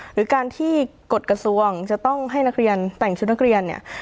หรือการที่กฎกระทรวงจะต้องให้นักเรียนแต่งชุดนักเรียนเนี่ย